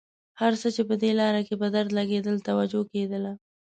هر څه چې په دې لاره کې په درد لګېدل توجه کېدله.